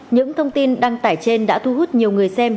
những thông tin đăng tải trên đã thu hút nhiều người xem